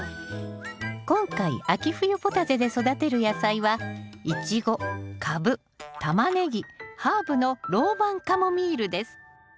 今回秋冬ポタジェで育てる野菜はイチゴカブタマネギハーブのローマンカモミールです